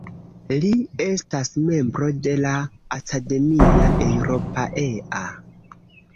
Li estas membro de Academia Europaea.